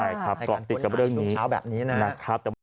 ในการค้นค่อยทุกเช้าแบบนี้นะครับ